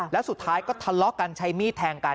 แล้วสุดท้ายก็ทะเลาะกันใช้มีดแทงกัน